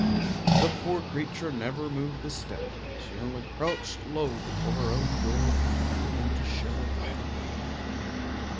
The poor creature never moved a step; she only crouched low before her own door and began to shiver violently.